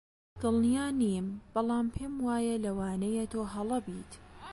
دڵنیا نیم، بەڵام پێم وایە لەوانەیە تۆ هەڵە بیت.